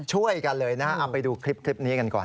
ช่วยกันเลยนะฮะเอาไปดูคลิปนี้กันก่อน